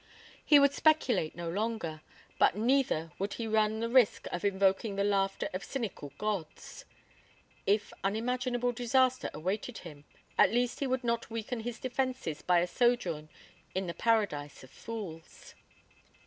He would speculate no longer, but neither would he run the risk of invoking the laughter of cynical gods. If unimaginable disaster awaited him, at least he would not weaken his defences by a sojourn in the paradise of fools.